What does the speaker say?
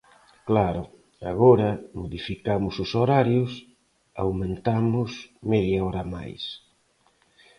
Claro, agora, modificamos os horarios, aumentamos media hora máis.